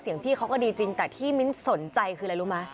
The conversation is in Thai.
พี่เขาก็ดีจริงแต่ที่มิ้นสนใจคืออะไรรู้ไหม